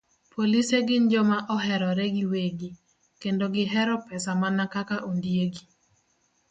Polise gin joma oherore giwegi, kendo gihero pesa mana kaka ondiegi.